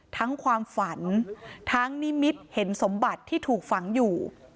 ทั้งความฝันทั้งนิมิตเห็นสมบัติที่ถูกฝังอยู่